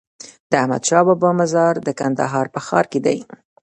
د احمدشاهبابا مزار د کندهار په ښار کی دی